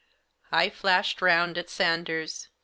I flashed round at Sanders.